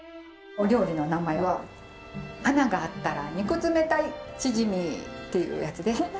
お料理の名前は「穴があったら肉詰めたいチヂミ」っていうやつです。